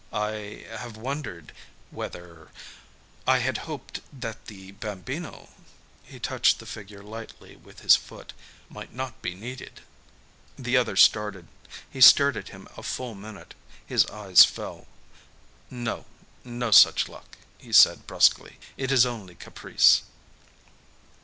"I have wondered whether I had hoped that the Bambino" he touched the figure lightly with his foot "might not be needed." The other started. He stared at him a full minute. His eyes fell. "No, no such good luck," he said brusquely. "It is only caprice."